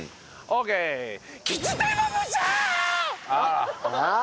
ああ。